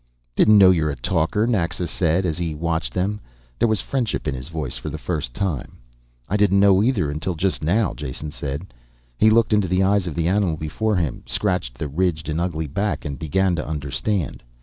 "Didn't know y're a talker," Naxa said. As he watched them, there was friendship in his voice for the first time. "I didn't know either until just now," Jason said. He looked into the eyes of the animal before him, scratched the ridged and ugly back, and began to understand.